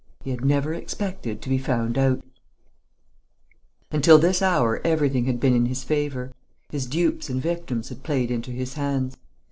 He had never expected to be found out. Until this hour everything had been in his favour. His dupes and victims had played into his hands.